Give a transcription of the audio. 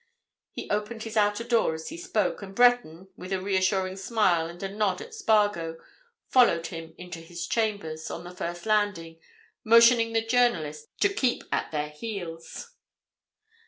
He opened his outer door as he spoke, and Breton, with a reassuring smile and a nod at Spargo, followed him into his chambers on the first landing, motioning the journalist to keep at their heels.